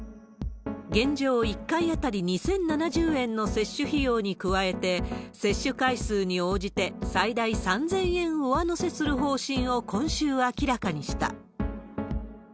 現状、１回当たり２０７０円の接種費用に加えて、接種回数に応じて最大３０００円上乗せする方針を今週明らかにした。